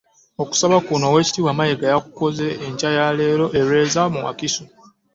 Okusaba kuno Oweekitiibwa. Mayiga akukoze nkya ya leero e Lweza mu Wakiso